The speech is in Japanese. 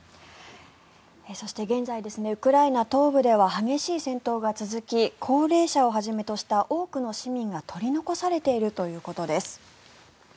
そして、現在ウクライナ東部では激しい戦闘が続き高齢者をはじめとした多くの市民が取り残されているということです。